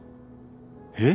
えっ？